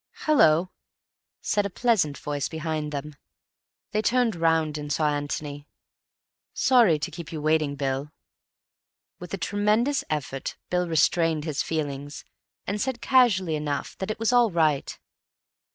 "Hallo," said a pleasant voice behind them. They turned round and saw Antony. "Sorry to keep you waiting, Bill." With a tremendous effort Bill restrained his feelings, and said casually enough that it was all right.